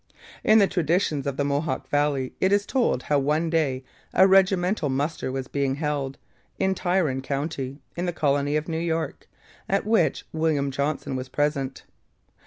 In the traditions of the Mohawk valley it is told how one day a regimental muster was being held, in Tryon county, in the colony of New York, at which William Johnson was present.